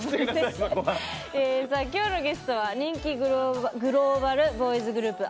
きょうのゲストは人気グローバルボーイズグループ